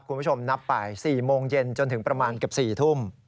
คุณผู้ชมนับไป๔โมงเย็นจนถึงประมาณเกือบ๔ทุ่ม